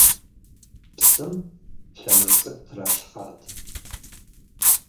Псым лъэмыж цӏыкӏу тралъхьат.